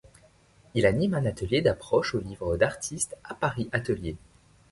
Il anime un atelier d’approche au livre d’artiste à Paris Atelier.